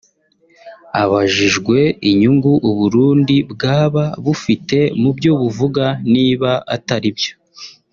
Abajijwe inyungu u Burundi bwaba bufite mu byo buvuga niba atari byo